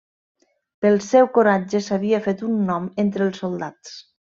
Pel seu coratge s'havia fet un nom entre els soldats.